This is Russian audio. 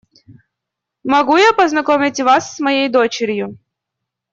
Могу я познакомить вас с моей дочерью?